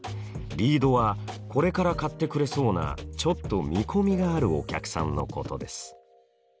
リードはこれから買ってくれそうなちょっと見込みがあるお客さんのことです。